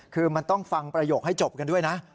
คือมันต้องฟังประโยคให้จบกันด้วยนะ